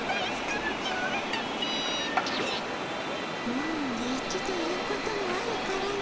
万が一ということもあるからの。